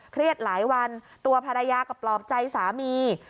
หลายวันตัวภรรยาก็ปลอบใจสามี